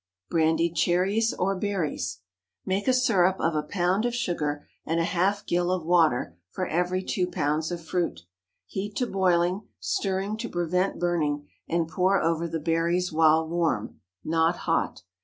BRANDIED CHERRIES OR BERRIES. ✠ Make a syrup of a pound of sugar and a half gill of water for every two lbs. of fruit. Heat to boiling, stirring to prevent burning, and pour over the berries while warm—not hot.